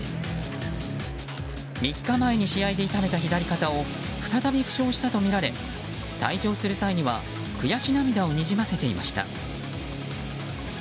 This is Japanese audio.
３日前に試合で痛めた左肩を再び負傷したとみられ退場する際には悔し涙をにじませていました。